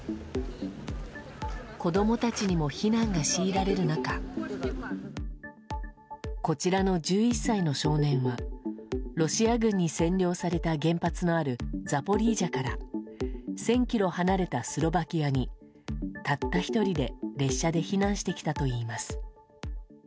子供たちにも避難が強いられる中こちらの１１歳の少年はロシア軍に占領された原発のあるザポリージャから１０００ｋｍ離れたスロバキアにたった１人で列車で避難してきたといいます。